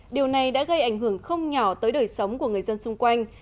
điều này đã gây ảnh hưởng không nhỏ tới đời sống của người dân xung quanh